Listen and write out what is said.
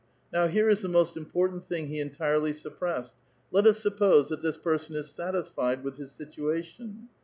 Novv here the most iukportaut thing he entirely sup pressed :^ Let us suppose that this person is satisfied with his situation.'